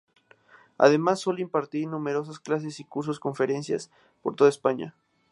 Además suele impartir numerosas clases, cursos y conferencias por toda España.